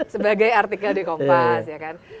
sebagai artikel di kompas ya kan